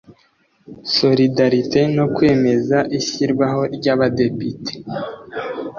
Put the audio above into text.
solidarite no kwemeza ishyirwaho ry abadepite